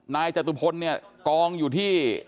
จตุพลเนี่ยกองอยู่ที่